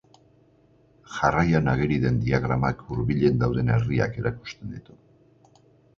Jarraian ageri den diagramak hurbilen dauden herriak erakusten ditu.